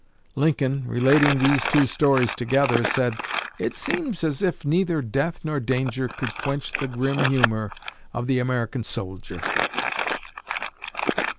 Lincoln, relating these two stories together, said, "It seems as if neither death nor danger could quench the grim humor of the American soldier."